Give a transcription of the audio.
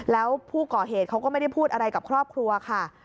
แล้วผู้ก่อเหตุเขาก็ไม่ได้พูดอะไรกับครอบครัวค่ะ